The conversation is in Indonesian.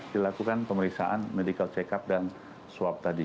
dilakukan pemeriksaan medical check up dan swab tadi